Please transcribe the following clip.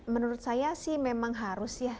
menurut saya sih memang harus ya